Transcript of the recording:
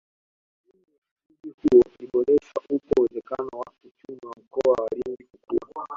Miundombinu ya mji huo ikiboreshwa upo uwezekano wa uchumi wa Mkoa wa Lindi kukua